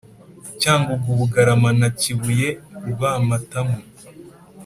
Cyangugu Bugarama na Kibuye Rwamatamu